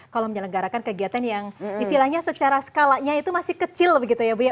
kalau menyelenggarakan kegiatan yang istilahnya secara skalanya itu masih kecil begitu ya bu ya